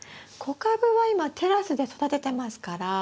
小カブは今テラスで育ててますから。